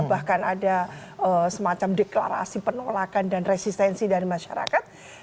bahkan ada semacam deklarasi penolakan dan resistensi dari masyarakat